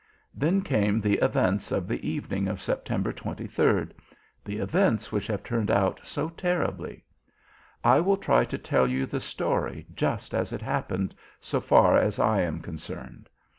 Then came the events of the evening of September 23rd, the events which have turned out so terribly. I will try to tell you the story just as it happened, so far as I am concerned.